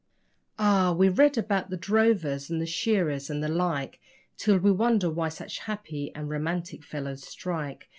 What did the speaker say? Ah! we read about the drovers and the shearers and the like Till we wonder why such happy and romantic fellows strike.